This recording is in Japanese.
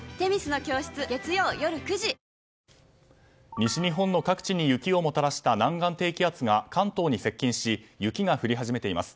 西日本の各地に雪をもたらした南岸低気圧が関東に接近し雪が降り始めています。